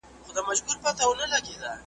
افغانان یې بخت نه لري